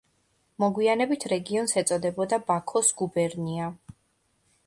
მოგვიანებით რეგიონს ეწოდებოდა ბაქოს გუბერნია.